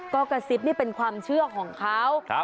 ก็กระซิบนี่เป็นความเชื่อของเขา